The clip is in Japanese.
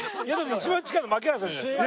一番近いの槙原さんじゃないですか。